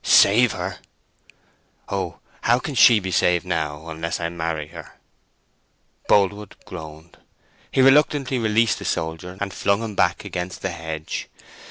"Save her." "Oh, how can she be saved now, unless I marry her?" Boldwood groaned. He reluctantly released the soldier, and flung him back against the hedge.